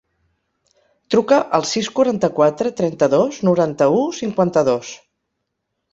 Truca al sis, quaranta-quatre, trenta-dos, noranta-u, cinquanta-dos.